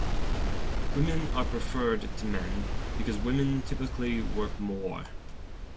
Women are preferred to men, because women typically work more.